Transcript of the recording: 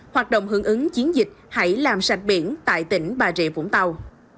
hoạt động hưởng ứng chiến dịch hãy làm sạch biển tại tỉnh bà rịa vũng tàu